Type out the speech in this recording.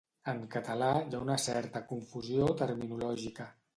En català hi ha una certa confusió terminològica.